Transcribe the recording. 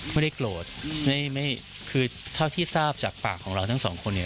ไม่ได้โกรธไม่คือเท่าที่ทราบจากปากของเราทั้งสองคนเนี่ย